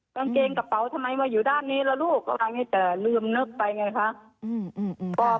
กางเจงกระเป๋าทำไมมาอยู่ด้านนี้แล้วลูกก็ว่างนี้จะลืมนึกไปไงคะอืมอืมอืม